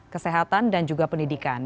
kesehatan dan juga pendidikan